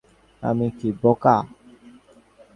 আমি কি বোকা!